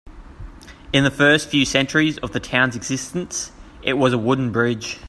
In the first few centuries of the town's existence, it was a wooden bridge.